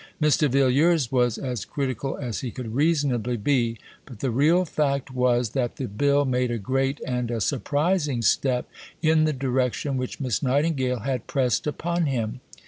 Mr. Villiers was as critical as he could reasonably be, but the real fact was that the Bill made a great and a surprising step in the direction which Miss Nightingale had pressed upon him.